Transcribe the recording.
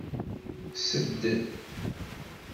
Ssed.